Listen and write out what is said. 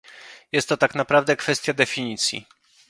Jest to tak naprawdę kwestia definicji